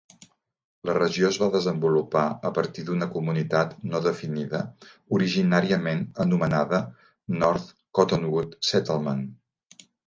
La regió es va desenvolupar a partir d'una comunitat no definida, originàriament anomenada North Cottonwood Settlement.